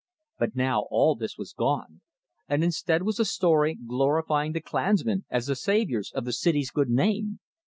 But now all this was gone, and instead was a story glorifying the Klansmen as the saviors of the city's good name.